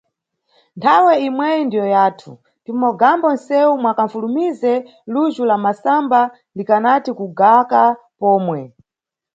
Nthawe imweyi ndiyo yathu timʼmogambo nʼsewu mwakanʼfulumize lujhu la masamba likanati kugaka pomwe.